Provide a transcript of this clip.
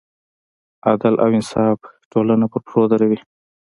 عدل او انصاف ټولنه پر پښو دروي.